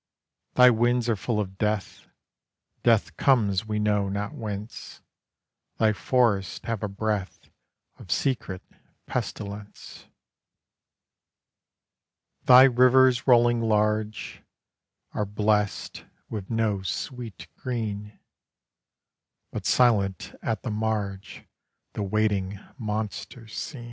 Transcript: Thy winds are full of death; Death comes we know not whence; Thy forests have a breath Of secret pestilence; Thy rivers rolling large Are blest with no sweet green, But silent at the marge The waiting monsters seen.